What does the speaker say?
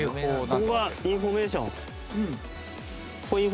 ここインフォメーション？